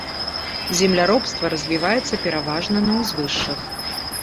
Земляробства развіваецца пераважна на ўзвышшах.